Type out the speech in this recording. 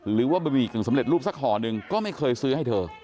หรือว่ามีถึงสำเร็จรูปสักห่อนึงก็ไม่เคยซื้อให้เธอ